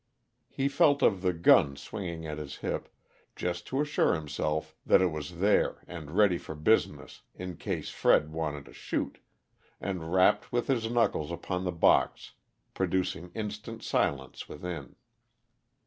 He felt of the gun swinging at his hip, just to assure himself that it was there and ready for business in case Fred wanted to shoot, and rapped with his knuckles upon the box, producing instant silence within.